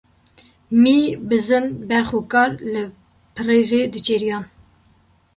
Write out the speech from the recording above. Mî, bizin, berx û kar li pirêzê diçêriyan.